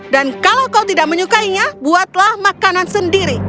dan kalau kau tidak menyukainya buatlah makanan sendiri